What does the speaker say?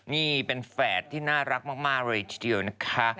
นี่เป็นแฝดที่น่ารักมากเลยทีเดียวนะคะ